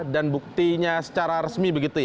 dan buktinya secara resmi begitu ya